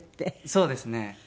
そうですね。